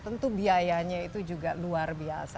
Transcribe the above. tentu biayanya itu juga luar biasa